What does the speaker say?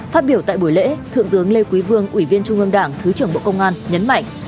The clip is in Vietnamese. phát biểu tại buổi lễ thượng tướng lê quý vương ủy viên trung ương đảng thứ trưởng bộ công an nhấn mạnh